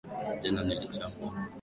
Jana nilichapwa